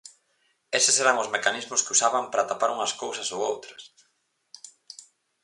Eses eran os mecanismos que usaban para tapar unhas cousas ou outras.